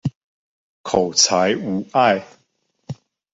口才無礙